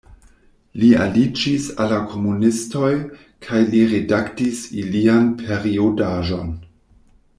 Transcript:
Li aliĝis al la komunistoj kaj li redaktis ilian periodaĵon.